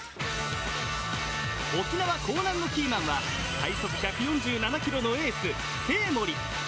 沖縄、興南のキーマンは最速１４７キロのエース生盛。